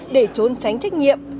để trốn tránh trách nhiệm